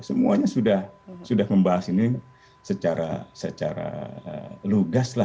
semuanya sudah membahas ini secara lugas lah